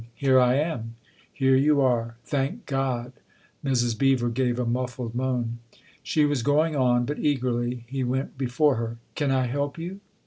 Here I am," " Here you are, thank God !" Mrs. Beever gave a muffled moan. She was going on, but, eagerly, he went before her. " Can I help you